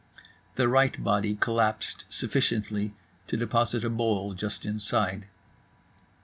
The right body collapsed sufficiently to deposit a bowl just inside.